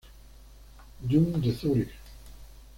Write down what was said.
Jung de Zúrich.